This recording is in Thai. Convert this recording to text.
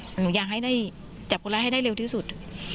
หนูอยากให้ได้จับคนร้ายให้ได้เร็วที่สุด